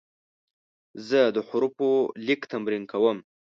زه د حروفو لیک تمرین کوم.